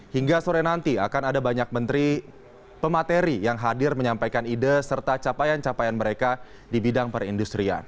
hingga sore nanti akan ada banyak menteri pemateri yang hadir menyampaikan ide serta capaian capaian mereka di bidang perindustrian